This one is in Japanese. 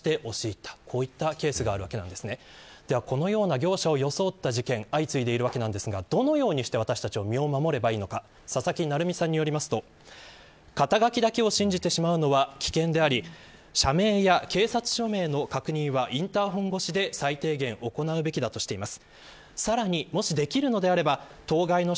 このような業者を装った事件が相次いでいますがどのようにして私たちは身を守ればいいのか佐々木成三さんによると肩書だけを信じてしまうのは危険であり社名や警察署名の確認はインターホン越しで最低で行うべきだということです。